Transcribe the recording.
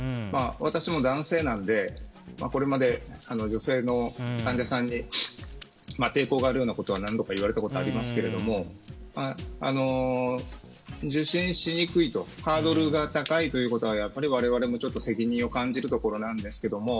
私も男性なのでこれまで女性の患者さんに抵抗があるようなことは何度か言われたことがありますが受診しにくいハードルが高いということはやっぱり我々も責任を感じるところなんですけれども。